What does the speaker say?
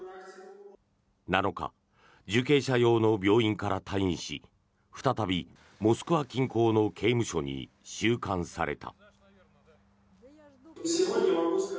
７日、受刑者用の病院から退院し再びモスクワ近郊の刑務所に収監された。